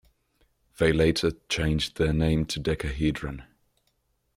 They later changed their name to Decahedron.